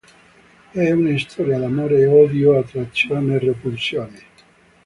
E' una storia d'amore e odio, attrazione e repulsione.